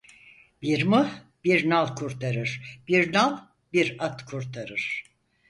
Bir mıh bir nal kurtarır, bir nal bir at kurtarır.